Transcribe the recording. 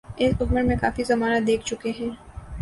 اس عمر میں کافی زمانہ دیکھ چکے ہیں۔